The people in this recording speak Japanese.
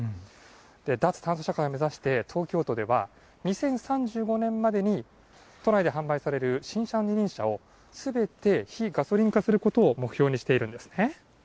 脱炭素社会を目指して、東京都では２０３５年までに都内で販売される新車の二輪車を、すべて非ガソリン化することを目標にしているんですね。